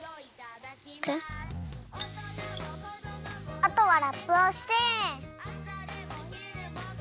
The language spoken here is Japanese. あとはラップをして。